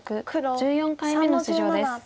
１４回目の出場です。